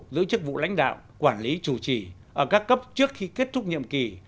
giữ chức vụ lãnh đạo quản lý chủ trì ở các cấp trước khi kết thúc nhiệm kỳ